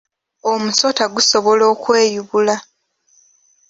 Omusota gusobola okweyubula.